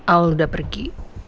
al udah pergi